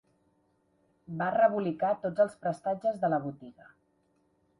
Va rebolicar tots els prestatges de la botiga.